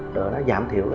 để giảm thiểu bụi